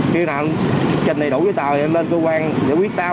khi nào anh trình đủ với tờ thì em lên cơ quan giải quyết sau